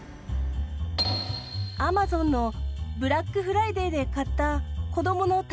アマゾンのブラックフライデーで買った子どもの誕